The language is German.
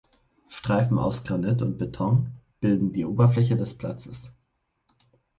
Streifen aus Granit und Beton bilden die Oberfläche des Platzes.